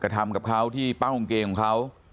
ก็ทำกับเขาที่ปั้งของเกงของเขา